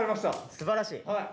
すばらしい。